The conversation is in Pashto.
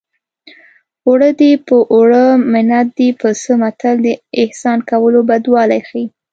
اوړه دې په اوړه منت دې په څه متل د احسان کولو بدوالی ښيي